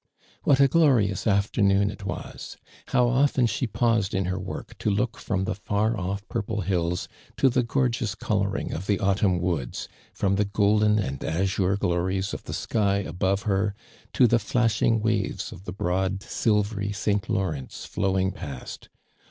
What a glorious afternoon it was. How often she paused in her work to look from the far off purple hills to the gorgeous coloring of the autumn woods, from the golden and azure glories of the sky above her, to the flasiiing waves of the broad, sil very St. Lawrence flowing past.